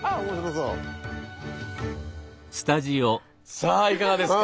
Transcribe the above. さあいかがですか。